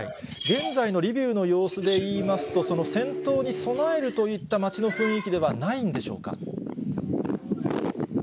現在のリビウの様子でいいますと、その戦闘に備えるといった街の雰囲気ではないんでしょうか。